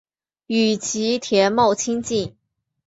与吉田茂亲近。